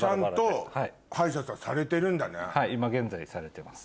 はい今現在されてます。